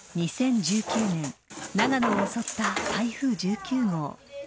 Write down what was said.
２０１９年、長野を襲った台風１９号。